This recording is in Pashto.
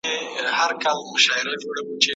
¬ للى دمخه، للۍ په پسې.